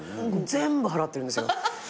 全部払ってるんですよ。